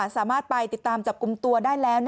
สามารถไปติดตามจับกลุ่มตัวได้แล้ว